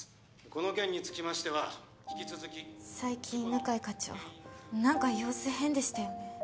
この件につきましては引き続き最近犬飼課長何か様子変でしたよね